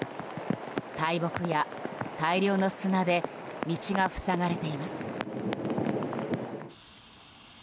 大木や大量の砂で道が塞がれています。